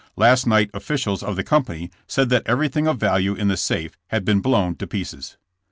Last night officials of the company said that everything of value in the safe had been blown to pieces.